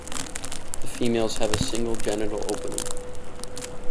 The females have a single genital opening.